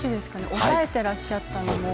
押さえてらっしゃったのを。